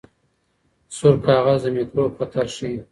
سور کاغذ د میکروب خطر ښيي.